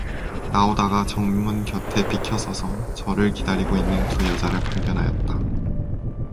나오다가 정문 곁에 비켜 서서 저를 기다리고 있는 두 여자를 발견하였다.